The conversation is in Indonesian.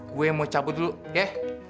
gue mau cabut dulu deh